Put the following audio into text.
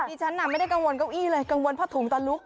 ฉันน่ะไม่ได้กังวลเก้าอี้เลยกังวลผ้าถุงตอนลุก